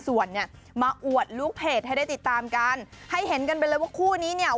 ส่วนเนี่ยมาอวดลูกเพจให้ได้ติดตามกันให้เห็นกันไปเลยว่าคู่นี้เนี่ย